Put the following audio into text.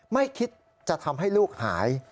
ไม่คิดจะทำให้ลูกหาย